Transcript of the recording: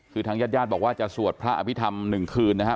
คือทางญาติย่าบอกว่าจะสวดพระอภิษฐรรมหนึ่งคืนนะฮะ